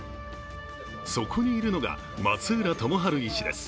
そこにいるのが松浦友春医師です。